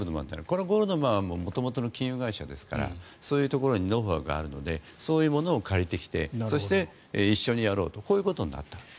これはゴールドマンは元々、金融会社ですからそういうところにノウハウがあるのでそういうものを借りてきてそして、一緒にやろうとこういうことになったわけです。